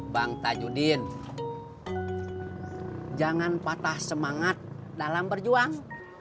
bang tajudin jangan patah semangat dalam berjuang